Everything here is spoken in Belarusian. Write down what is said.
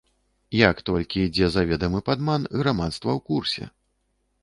Як толькі ідзе заведамы падман, грамадства ў курсе.